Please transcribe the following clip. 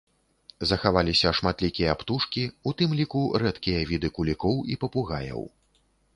Захаваліся шматлікія птушкі, у тым ліку рэдкія віды кулікоў і папугаяў.